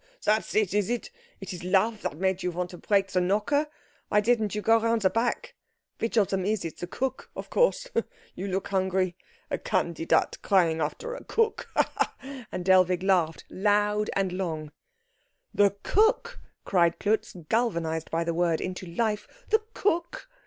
"Oh that's it, is it? It is love that made you want to break the knocker? Why didn't you go round to the back? Which of them is it? The cook, of course. You look hungry. A Kandidat crying after a cook!" And Dellwig laughed loud and long. "The cook!" cried Klutz, galvanised by the word into life. "The cook!"